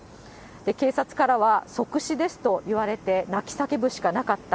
警察からは、即死ですと言われて泣き叫ぶしかなかった。